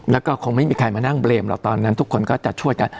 แล้วก็คงไม่มีใครมานั่งเบรมหรอกตอนนั้นทุกคนก็จะช่วยกัน